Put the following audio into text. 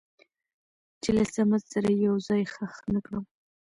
چې له صمد سره يې يو ځاى خښ نه کړم.